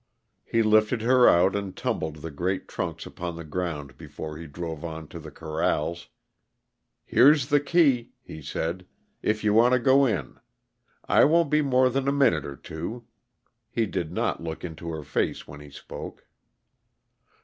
He lifted her out and tumbled the great trunks upon the ground before he drove on to the corrals. "Here's the key," he said, "if you want to go in. I won't be more than a minute or two." He did not look into her face when he spoke.